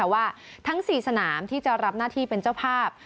ว่าทั้ง๔สนามที่จะรับหน้าที่เป็นเจ้าภาพ